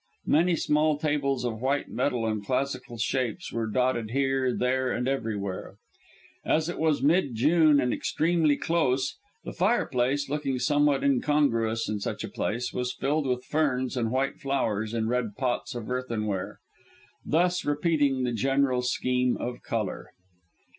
Many small tables of white metal and classical shapes were dotted here, there, and everywhere. As it was mid June and extremely close, the fireplace looking somewhat incongruous in such a place was filled with ferns and white flowers, in red pots of earthenware, thus repeating the general scheme of colour.